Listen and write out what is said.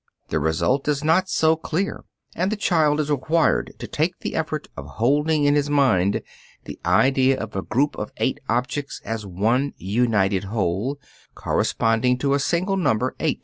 The result is not so clear, and the child is required to make the effort of holding in his mind the idea of a group of eight objects as one united whole, corresponding to a single number, 8.